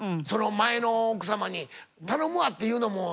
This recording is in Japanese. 前の奥様に「頼むわ」って言うのも嫌なので。